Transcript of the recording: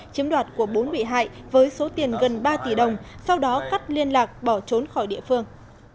chiếm đoạt của bốn bị hại với số tiền gần ba tỷ đồng sau đó cắt liên lạc bỏ trốn khỏi địa phương